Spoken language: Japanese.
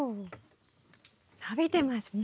伸びてますね。